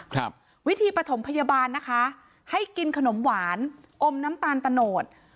ครับวิธีปฐมพยาบาลนะคะให้กินขนมหวานอมน้ำตาลตะโนด